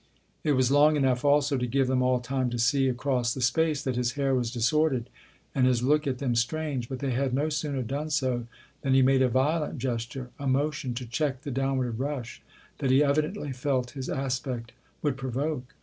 " It was long enough also to give them all time to see, across the space, that his hair was disordered and his look at them strange ; but they had no sooner done so than he made a violent gesture a motion to check the downward rush that he evidently felt his aspect would provoke.